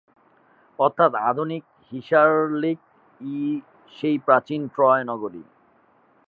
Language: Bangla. অর্থাৎ, আধুনিক হিসারলিক-ই সেই প্রাচীন ট্রয় নগরী।